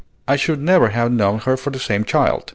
I should never have known her for the same child."